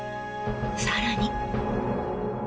更に。